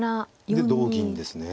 で同銀ですね。